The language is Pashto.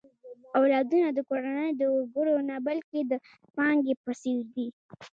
اولادونه د کورنۍ د وګړو نه، بلکې د پانګې په څېر دي.